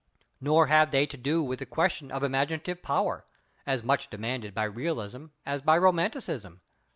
Nor have they to do with the question of imaginative power—as much demanded by realism as by romanticism.